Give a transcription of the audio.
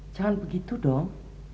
jangan begitu dong